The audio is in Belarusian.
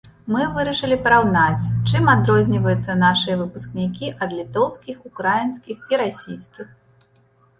Мы вырашылі параўнаць, чым адрозніваюцца нашыя выпускнікі ад літоўскіх, украінскіх і расійскіх.